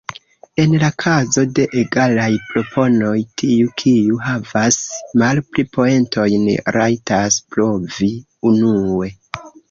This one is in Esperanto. En la kazo de egalaj proponoj, tiu kiu havas malpli poentojn rajtas provi unue.